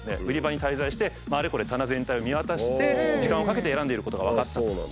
売り場に滞在してあれこれ棚全体を見渡して時間をかけて選んでいることが分かったと。